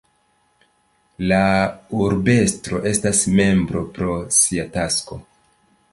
La urbestro estas membro pro sia tasko.